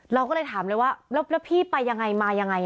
เราก็เลยถามเลยว่าแล้วพี่ไปยังไงมายังไง